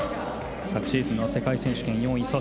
昨シーズンの世界選手権４位。